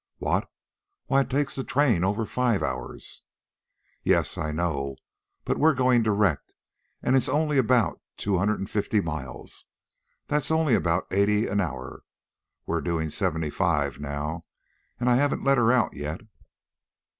"What! Why it takes the train over five hours." "Yes, I know, but we're going direct, and it's only about two hundred and fifty miles. That's only about eighty an hour. We're doing seventy five now, and I haven't let her out yet."